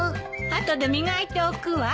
後で磨いておくわ。